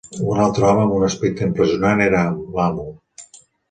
Un altre home amb un aspecte impressionant era l'amo.